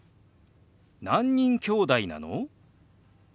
「何人きょうだいなの？」。